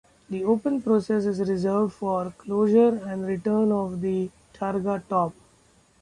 The open process is reversed for the closure and return of the targa top.